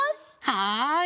はい！